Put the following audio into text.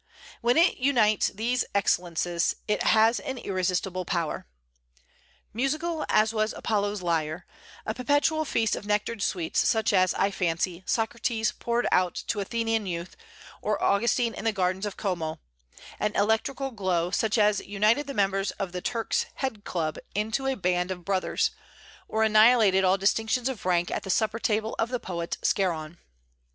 When it unites these excellences, it has an irresistible power, "musical as was Apollo's lyre;" a perpetual feast of nectared sweets, such as, I fancy, Socrates poured out to Athenian youth, or Augustine in the gardens of Como; an electrical glow, such as united the members of the Turk's Head Club into a band of brothers, or annihilated all distinctions of rank at the supper table of the poet Scarron.